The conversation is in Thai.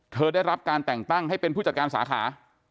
ได้รับการแต่งตั้งให้เป็นผู้จัดการสาขา